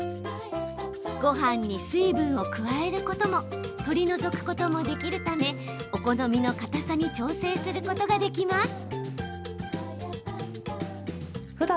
ごはんに水分を加えることも取り除くこともできるためお好みのかたさに調整することができます。